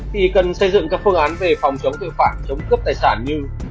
thì cần xây dựng các phương án về phòng chống tự phản chống cướp tài sản như